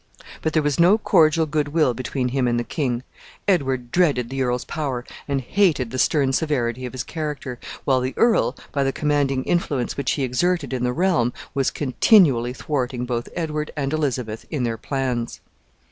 But there was no cordial good will between him and the king. Edward dreaded the earl's power, and hated the stern severity of his character, while the earl, by the commanding influence which he exerted in the realm, was continually thwarting both Edward and Elizabeth in their plans.